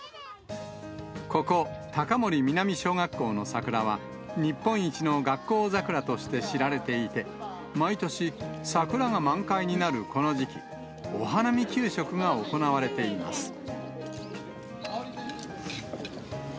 ここ、高森南小学校の桜は、日本一の学校桜として知られていて、毎年、桜が満開になるこの時期、お花見給食が行われています。